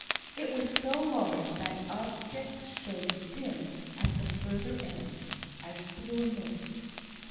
It was so large, that objects showed dim at the further end, as through a mist.